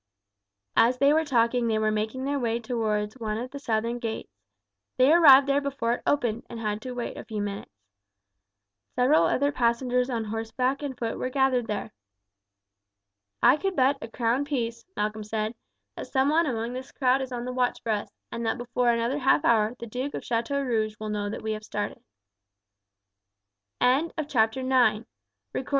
As they were talking they were making their way towards one of the southern gates. They arrived there before it opened, and had to wait a few minutes. Several other passengers on horseback and foot were gathered there. "I could bet a crown piece," Malcolm said, "that some one among this crowd is on the watch for us, and that before another half hour the Duke of Chateaurouge will know that we have started." CHAPTER X: A Perilous Journey.